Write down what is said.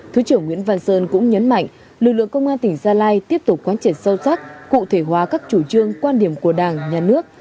thứ trưởng nguyễn văn sơn cũng nhấn mạnh lực lượng công an tỉnh gia lai tiếp tục quan triệt sâu sắc cụ thể hóa các chủ trương quan điểm của đảng nhà nước